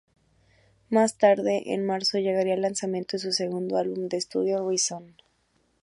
Más tarde, en marzo, llegaría el lanzamiento de su segundo álbum de estudio: "Reason".